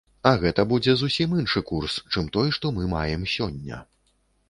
А гэта будзе зусім іншы курс, чым той, што мы маем сёння.